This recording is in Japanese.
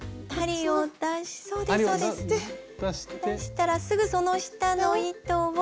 出したらすぐその下の糸を。